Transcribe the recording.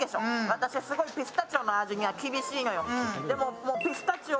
私、すごいピスタチオの味には厳しいのよ。